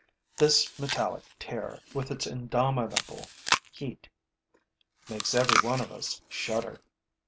This metallic tear, with its indomitable heat, makes every one of us shudder.